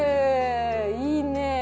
いいね。